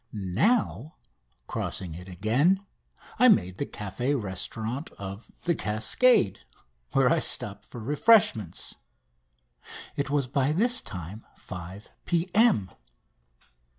Now, crossing it again, I made the café restaurant of "The Cascade," where I stopped for refreshments. It was by this time 5 P.M.